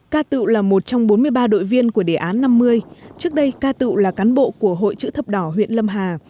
ca tự là một trong bốn mươi ba đội viên của đề án năm mươi trước đây ca tự là cán bộ của hội chữ thập đỏ huyện lâm hà